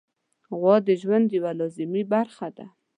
غوا د ژوند یوه لازمي برخه ده.